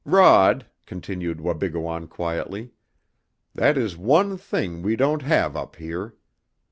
"Rod," continued Wabigoon quietly, "that is one thing we don't have up here.